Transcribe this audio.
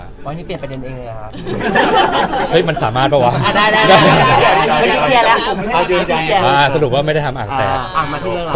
เฮ้ยนี่เปลี่ยนประเด็นเองเลย